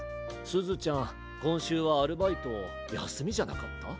すずちゃんこんしゅうはアルバイトやすみじゃなかった？